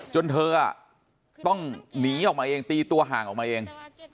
จนเธอต้องหนีออกมาเองตีตัวห่างออกมาเอง